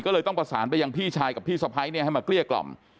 ก็เลยต้องประสานไปยังพี่ชายกับพี่สะพ้ายเนี่ยให้มาเกลี้ยกล่อม